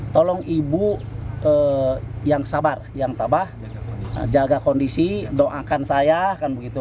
tolong ibu yang sabar yang tabah jaga kondisi doakan saya kan begitu